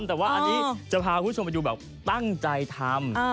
แต่ว่าอันนี้จะพาคุณผู้ชมไปดูแบบตั้งใจทำ